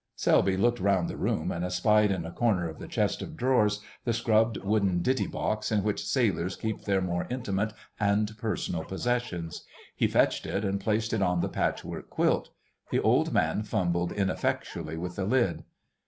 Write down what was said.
Selby looked round the room, and espied on a corner of the chest of drawers the scrubbed wooden "ditty box" in which sailors keep their more intimate and personal possessions: he fetched it and placed it on the patchwork quilt; the old man fumbled ineffectually with the lid.